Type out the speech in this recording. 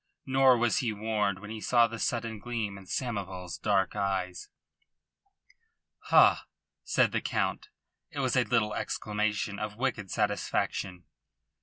Nor was he warned when he saw the sudden gleam in Samoval's dark eyes. "Ha!" said the Count. It was a little exclamation of wicked satisfaction.